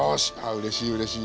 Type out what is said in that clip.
うれしいうれしい。